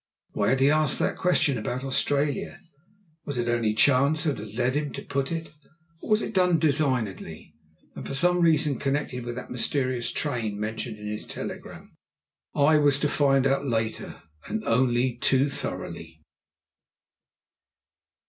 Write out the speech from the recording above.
Why had he asked that question about Australia? Was it only chance that had led him to put it, or was it done designedly, and for some reason connected with that mysterious "train" mentioned in his telegram? I was to find out later, and only too thoroughly!